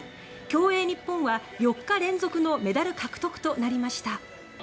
競泳日本は４日連続のメダル獲得となりました。